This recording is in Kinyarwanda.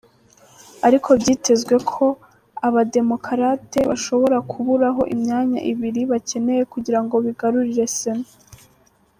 Ariko byitezwe ko abademokarate bashobora kuburaho imyanya ibiri bacyeneye kugira ngo bigarurire sena.